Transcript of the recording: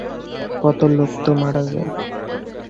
কত লোক তো মারা যায়।